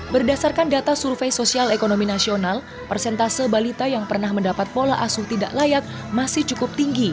berdasarkan data survei sosial ekonomi nasional persentase balita yang pernah mendapat pola asuh tidak layak masih cukup tinggi